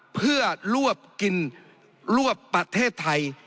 เพื่อรวบกินรวบประเทศไทย